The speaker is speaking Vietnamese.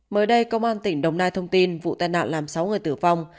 mới đây công an tỉnh đồng nai thông tin vụ tàn lạc làm sáu người tử vong